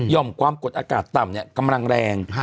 ่อมความกดอากาศต่ำกำลังแรง